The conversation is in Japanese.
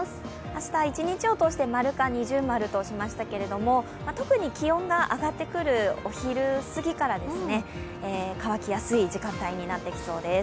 明日、一日を通して○か◎かと思うんですけど特に気温が上がってくるお昼過ぎから乾きやすい時間帯になってきそうです。